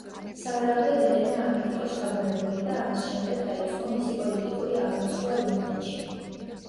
სავარაუდოდ, ელენა ამით იყო შთაგონებული და ამის შემდეგ დაიწყო მისი პოლიტიკური აღმასვლა რუმინეთში.